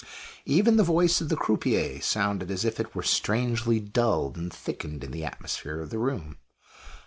Even the voice of the croupier sounded as if it were strangely dulled and thickened in the atmosphere of the room.